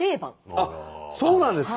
あっそうなんですか？